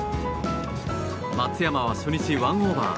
松山は初日１オーバー。